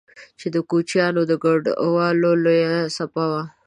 چې د کوچيانو د کډوالۍ لويه څپه وه